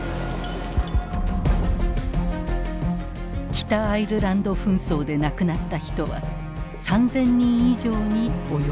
北アイルランド紛争で亡くなった人は３，０００人以上に及ぶ。